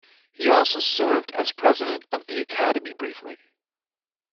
He also served as President of the Academy briefly.